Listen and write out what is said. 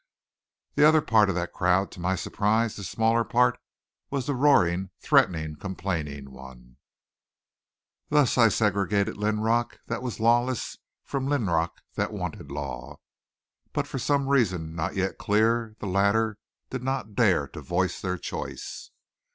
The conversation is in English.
The other part of that crowd to my surprise, the smaller part was the roaring, threatening, complaining one. Thus I segregated Linrock that was lawless from Linrock that wanted law, but for some reason not yet clear the latter did not dare to voice their choice.